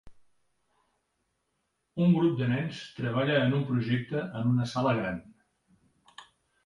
Un grup de nens treballa en un projecte en una sala gran.